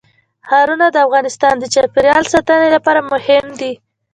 ښارونه د افغانستان د چاپیریال ساتنې لپاره مهم دي.